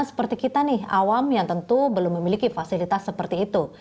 seperti kita nih awam yang tentu belum memiliki fasilitas seperti itu